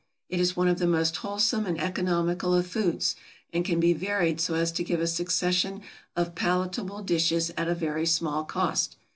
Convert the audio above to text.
It is one of the most wholesome and economical of foods, and can be varied so as to give a succession of palatable dishes at a very small cost.